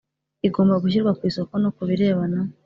igomba gushyirwa ku isoko no ku birebana